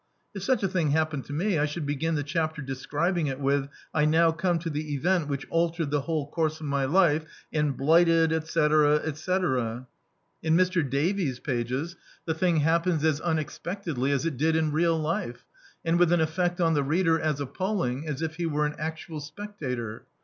If such a thing happened to me, I should begin the chapter describing it with "I now come to the ev^nt which altered the whole course of my life, and bli^ted, etc., etc." In Mr. Davies' pages the thing D,i.,.db, Google Preface happens as unexpectedly as it did in real life, and with an effect on the reader as appalling as if he were an actual spectator.